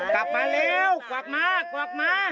กลับมาเร็วกวาดมากวาดมา